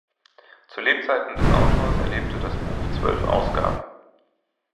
Zu Lebzeiten des Autors erlebte das Buch zwölf Ausgaben.